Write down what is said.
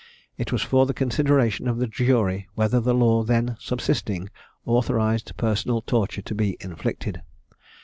It was for the consideration of the jury whether the law then subsisting authorised personal torture to be inflicted.